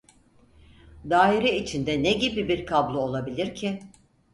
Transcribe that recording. Daire içinde ne gibi bir kablo olabilir ki